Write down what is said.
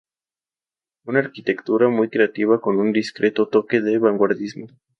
Una arquitectura muy creativa con un discreto toque de vanguardismo.